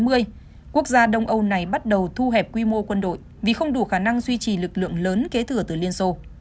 quốc gia đông âu này bắt đầu thu hẹp quy mô quân đội vì không đủ khả năng duy trì lực lượng lớn kế thừa từ liên xô